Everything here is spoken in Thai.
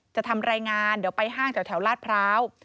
จะทำรายงานเดี๋ยวไปห้างแถวลาดพร้าว